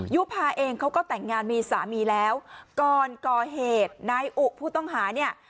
ยุภาเองเขาก็แต่งงานมีสามีแล้วก่อนก่อเหตุนายอุผู้ต้องหาเนี่ย